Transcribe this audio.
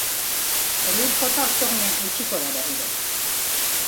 Elur kota ostegunean jaitsiko da berriro.